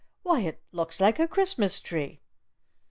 Why, it looks like a Christmas tree!"